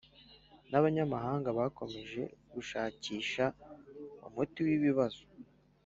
n’abanyamahanga bakomeje gushakisha umuti w’ibibazo